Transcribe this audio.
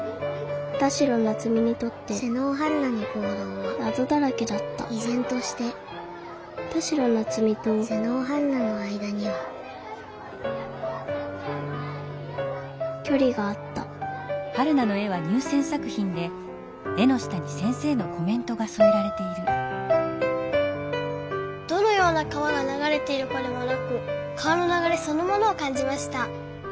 田代ナツミにとって妹尾陽菜のこうどうはなぞだらけだったいぜんとして田代ナツミと妹尾陽菜の間にはきょりがあった「どのような川が流れているかではなく川の流れそのものを感じました。